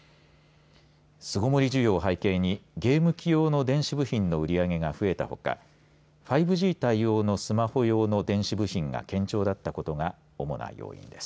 巣ごもり需要を背景にゲーム機用の電子部品の売り上げが増えたほか５Ｇ対応のスマホ用の電子部品が堅調だったことが主な要因です。